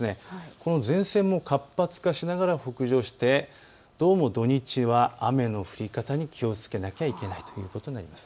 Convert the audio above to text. この前線も活発化しながら北上してどうも土日は雨の降り方に気をつけなければいけないということになります。